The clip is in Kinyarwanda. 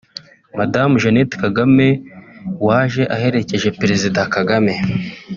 Madame Jeannette Kagame waje aherekeje Perezida Kagame